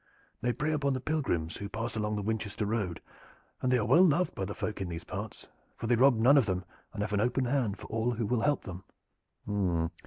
"They prey upon the pilgrims who pass along the Winchester Road, and they are well loved by the folk in these parts, for they rob none of them and have an open hand for all who will help them."